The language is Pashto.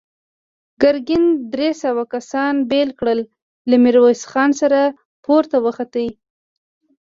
ګرګين درې سوه کسان بېل کړل، له ميرويس خان سره پورته وخوت.